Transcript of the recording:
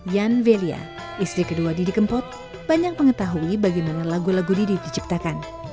yan velia istri kedua didi kempot banyak mengetahui bagaimana lagu lagu didi diciptakan